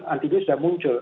antibody sudah muncul